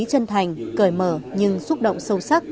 chân thành cởi mở nhưng xúc động sâu sắc